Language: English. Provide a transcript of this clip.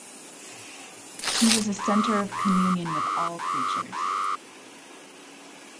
He was a centre of communion with all creatures.